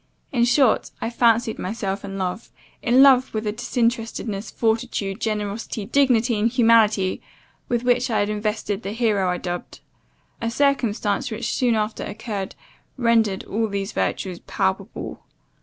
In short, I fancied myself in love in love with the disinterestedness, fortitude, generosity, dignity, and humanity, with which I had invested the hero I dubbed. A circumstance which soon after occurred, rendered all these virtues palpable.